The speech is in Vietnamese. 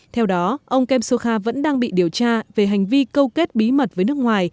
theo đó ông kemsoka vẫn đang bị điều tra về hành vi câu kết bí mật với nước ngoài